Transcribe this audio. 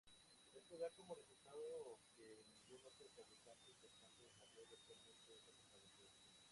Esto da como resultado que ningún otro fabricante importante desarrolla actualmente esta tecnología.